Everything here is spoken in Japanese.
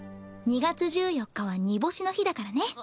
２月１４日は煮干しの日だからね。